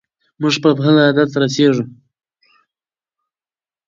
موږ به خپل هدف ته رسیږو.